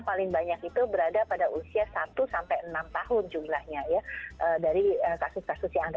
paling banyak itu berada pada usia satu sampai enam tahun jumlahnya ya dari kasus kasus yang ada